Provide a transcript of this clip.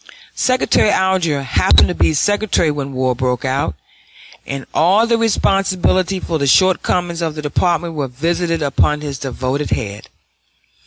Secretary Alger happened to be Secretary when war broke out, and all the responsibility for the shortcomings of the Department were visited upon his devoted head.